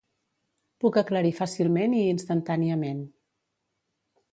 Puc aclarir fàcilment i instantàniament.